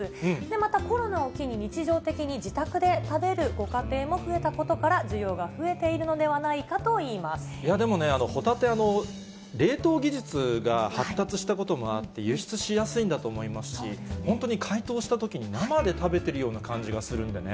また、コロナを機に、日常的に自宅で食べるご家庭も増えたことから、需要が増えているでもね、ホタテ、冷凍技術が発達したこともあって、輸出しやすいんだと思いますし、本当に解凍したときに生で食べてるような感じがするんでね。